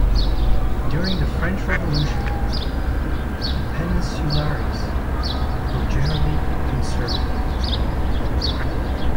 During the French Revolution, the "peninsulares" were generally conservative.